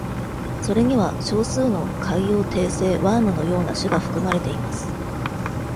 それには、少数の海洋底生ワームのような種が含まれています。